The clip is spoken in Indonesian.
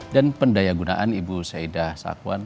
dan pendaya gunaan ibu syahidah sakwan